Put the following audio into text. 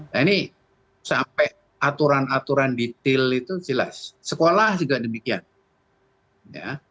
nah ini sampai aturan aturan detail itu jelas sekolah juga demikian ya